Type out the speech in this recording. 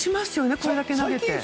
これだけ投げていて。